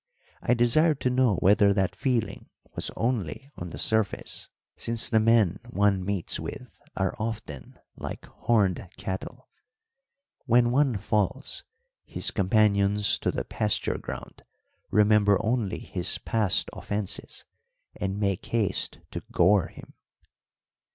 I desired to know whether that feeling was only on the surface; since the men one meets with are often like horned cattle. When one falls, his companions of the pasture ground remember only his past offences, and make haste to gore him."